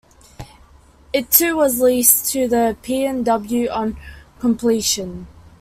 It too was leased to the P and W, on completion.